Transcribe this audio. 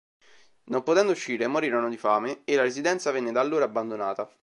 Non potendo uscire morirono di fame e la residenza venne da allora abbandonata.